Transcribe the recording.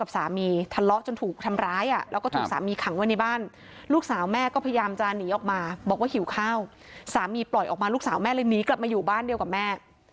สามีปล่อยออกมาลูกสาวแม่เลยหนีกลับมาอยู่บ้านเดียวกับแม่